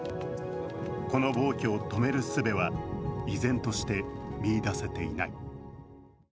この暴挙を止めるすべは依然として見いだせていない。